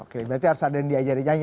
oke berarti harus ada yang diajari nyanyi